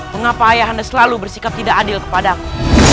mengapa ayah anda selalu bersikap tidak adil kepadaku